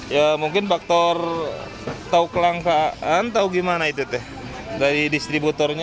ya mungkin faktor tau kelangkaan tau gimana itu deh dari distributornya